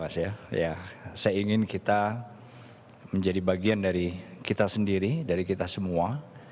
saya ingin kita menjadi bagian dari kita sendiri dari kita semua